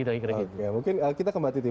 oke mungkin kita kembali ke tim